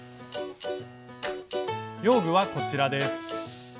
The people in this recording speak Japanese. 用具はこちらです。